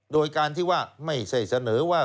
โดยการที่ว่าไม่ใช่เสนอว่า